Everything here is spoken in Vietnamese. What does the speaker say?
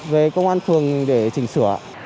về công an phường để chỉnh sửa